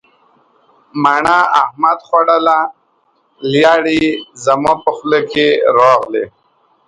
مڼه احمد خوړله لیاړې زما په خوله کې راغللې.